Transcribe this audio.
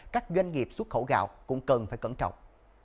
các doanh nghiệp xuất khẩu gạo cũng cần phải cẩn trọng